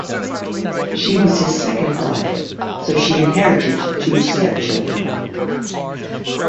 She was his second wife so she inherited two step children.